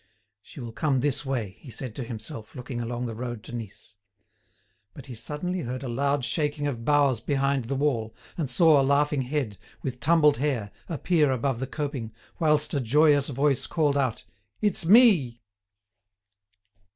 "She will come this way," he said to himself, looking along the road to Nice. But he suddenly heard a loud shaking of boughs behind the wall, and saw a laughing head, with tumbled hair, appear above the coping, whilst a joyous voice called out: "It's me!"